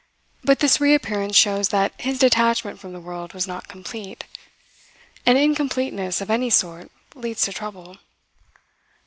But this reappearance shows that his detachment from the world was not complete. And incompleteness of any sort leads to trouble.